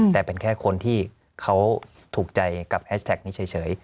แต่เป็นแค่คนที่เขาถูกใจกับแฮชแท็กนี้เฉย